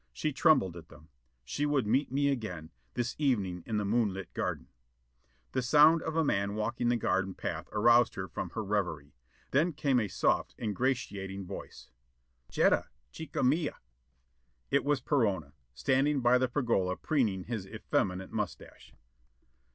She trembled at them. She would meet me again, this evening in the moonlit garden.... The sound of a man walking the garden path aroused her from her reverie. Then came a soft ingratiating voice: "Jetta, chica Mia!" It was Perona, standing by the pergola preening his effeminate mustache.